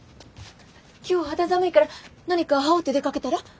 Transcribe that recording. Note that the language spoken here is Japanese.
今日肌寒いから何か羽織って出かけたら。